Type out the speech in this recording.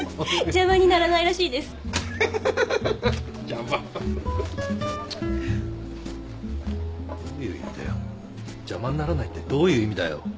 邪魔にならないってどういう意味だよ。